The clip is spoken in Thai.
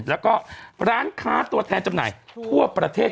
แล้วก็ร้านค้าตัวแทนจำหน่ายทั่วประเทศ